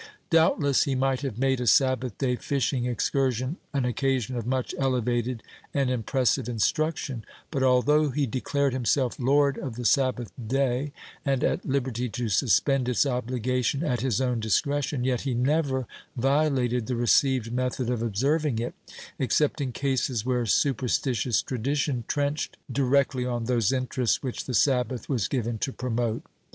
Doubtless he might have made a Sabbath day fishing excursion an occasion of much elevated and impressive instruction; but, although he declared himself 'Lord of the Sabbath day,' and at liberty to suspend its obligation at his own discretion, yet he never violated the received method of observing it, except in cases where superstitious tradition trenched directly on those interests which the Sabbath was given to promote.